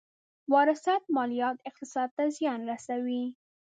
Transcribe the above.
وراثت ماليات اقتصاد ته زیان رسوي.